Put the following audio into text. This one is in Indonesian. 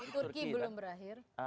di turki belum berakhir